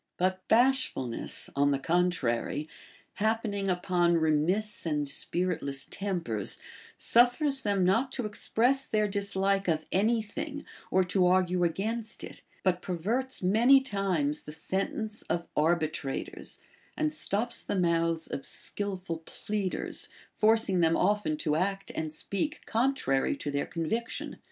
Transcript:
But bash fidness, on the contrary, happening upon remiss and spirit less tempers, suffers them not to express their dislike of any thing or to argue against it, but perverts many times the sentence of arbitrators, and stops the mouths of skilful pleaders, forcing them often to act and speak coiitrary to their conviction.